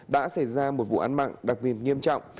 đã xảy ra một vụ án mạng đặc biệt nghiêm trọng